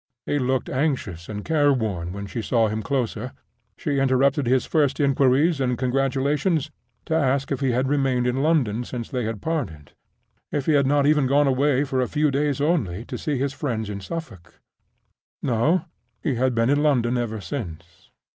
He looked anxious and careworn when she saw him closer. She interrupted his first inquiries and congratulations to ask if he had remained in London since they had parted—if he had not even gone away, for a few days only, to see his friends in Suffolk? No; he had been in London ever since.